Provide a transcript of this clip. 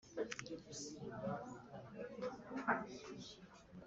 Kacyiru Akarere ka Gasabo Umujyi wa Kigali